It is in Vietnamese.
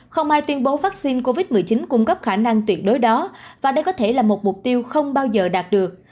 không ai tuyên bố vaccine covid một mươi chín cung cấp khả năng tuyệt đối đó và đây có thể là một mục tiêu không bao giờ đạt được